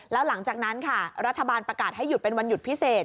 แล้วหลังจากนั้นค่ะรัฐบาลประกาศให้หยุดเป็นวันหยุดพิเศษ